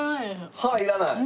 歯いらない？